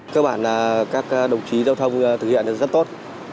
các đồng chí giao thông thực hiện rất tốt